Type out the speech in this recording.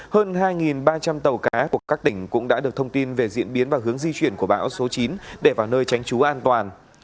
hơn hai ba trăm linh tàu cá của các tỉnh cũng đã được thông tin về diễn biến và hướng di chuyển của bão số chín để vào nơi tránh trú an toàn